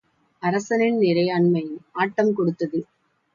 அரசனின் இறையாண்மை ஆட்டம் கொடுத்தது.